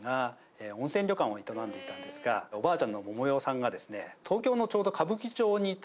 おばあちゃんのももよさんがですね。